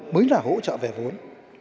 mới là hỗ trợ về vốn